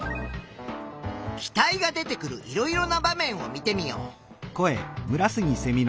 気体が出てくるいろいろな場面を見てみよう。